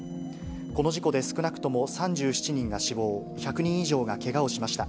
この事故で、少なくとも３７人が死亡、１００人以上がけがをしました。